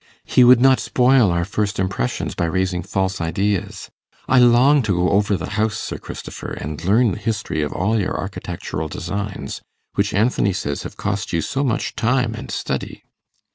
He would not spoil our first impressions by raising false ideas. I long to go over the house, Sir Christopher, and learn the history of all your architectural designs, which Anthony says have cost you so much time and study.